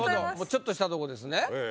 ちょっとしたとこですね。